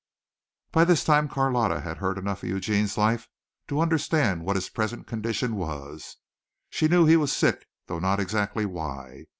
'" By this time Carlotta had heard enough of Eugene's life to understand what his present condition was. She knew he was sick though not exactly why.